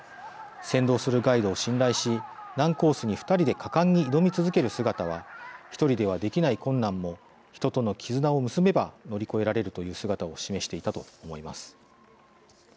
先導するガイドを信頼し難コースに２人で果敢に挑み続ける姿は１人ではできない困難も人との絆を結べば乗り越えられるという姿を示していたと思います。